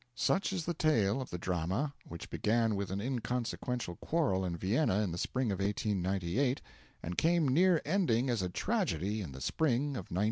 Such is the tale of the drama which began with an inconsequential quarrel in Vienna in the spring of 1898, and came near ending as a tragedy in the spring of 1904.